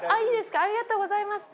ありがとうございます。